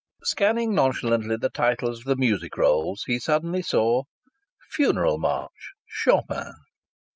Scanning nonchalantly the titles of the music rolls, he suddenly saw: "Funeral March. Chopin."